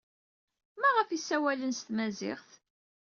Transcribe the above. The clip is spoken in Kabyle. Maɣef ay ssawalen s tmaziɣt?